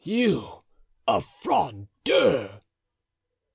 you, a Frondeur!"